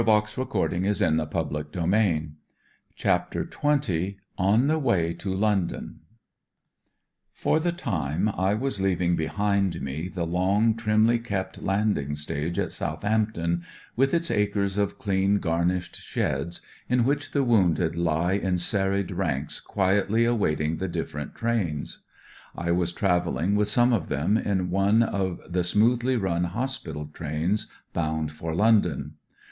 " [i— 1 wa r ' 'jT^ .■"»■ ■'~cT¥' CHAPTER XX ON THE WAY TO LONDON For the time I was leaving behind me the long, trimly kept landing stage at Southampton, with its acres of dean garnished sheds in which the womided lie in serried ranks quietly awaiting the different trdns. I was travelling with some of them in one of the smoothly running hospital trains boimd for London.